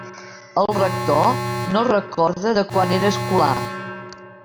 El rector no es recorda de quan era escolà.